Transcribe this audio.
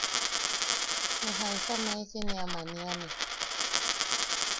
¿Ne... jaisa maisi ne am aniane?